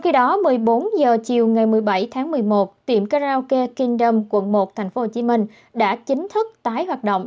hai mươi bốn h chiều ngày một mươi bảy tháng một mươi một tiệm karaoke kingdom quận một tp hcm đã chính thức tái hoạt động